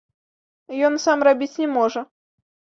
Ён сам рабіць не можа.